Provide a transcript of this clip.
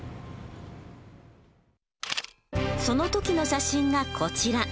その時の写真がこちら。